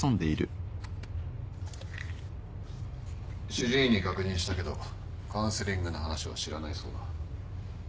主治医に確認したけどカウンセリングの話は知らないそうだ。